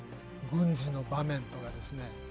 軍事の場面とかですね。